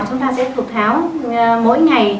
chúng ta sẽ thục tháo mỗi ngày